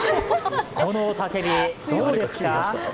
この雄たけび、どうですか？